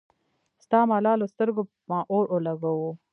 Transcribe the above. ستا ملالو سترګو پۀ ما اور اولګوو